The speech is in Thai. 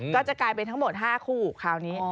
ก็จะกลายเป็นทั้งหมด๕คู่คราวนี้